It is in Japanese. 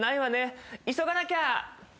急がなきゃ！